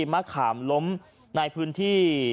มะขามล้มในพื้นที่